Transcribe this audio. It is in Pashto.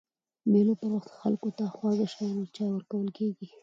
د مېلو پر وخت خلکو ته خواږه شيان او چای ورکول کېږي.